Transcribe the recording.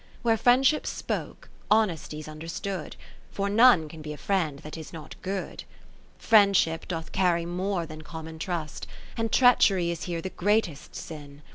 Where Friendship 's spoke, Honesty 's understood ] For none can be a friend that is not good. VII Friendship doth carry more than common trust, And Treachery is here the greatest sin.